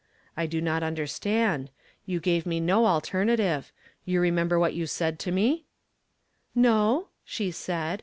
" I do not understand ; you gave me n dterna tive. You remember what you said to n '''' '•No," she said.